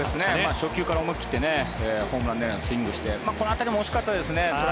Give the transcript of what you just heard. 初球から思い切ってホームラン狙いでスイングしてここも惜しかったですね。